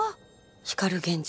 光源氏。